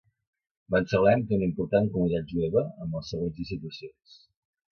Bensalem té una important comunitat jueva, amb les següents institucions.